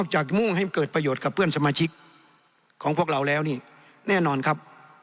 จากมุ่งให้มันเกิดประโยชน์กับเพื่อนสมาชิกของพวกเราแล้วนี่แน่นอนครับ